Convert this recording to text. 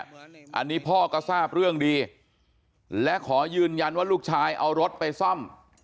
อันนี้พ่อก็ทราบเรื่องดีและขอยืนยันว่าลูกชายเอารถไปซ่อม